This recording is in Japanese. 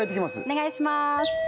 お願いします